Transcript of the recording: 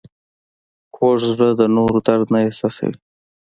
کوږ زړه د نورو درد نه احساسوي